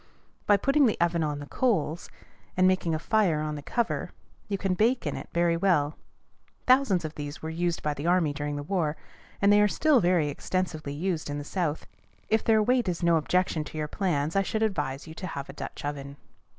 By putting the oven on the coals, and making a fire on the cover, you can bake in it very well. Thousands of these were used by the army during the war, and they are still very extensively used in the South. If their weight is no objection to your plans, I should advise you to have a Dutch oven.